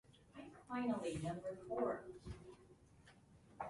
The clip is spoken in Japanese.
千葉県大網白里市